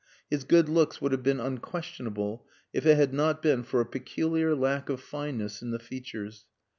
His good looks would have been unquestionable if it had not been for a peculiar lack of fineness in the features.